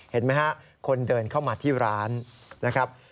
เห็นไหมฮะคนเดินเข้ามาที่ร้านนะครับ